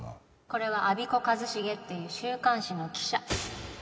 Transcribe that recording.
これは我孫子和重っていう週刊誌の記者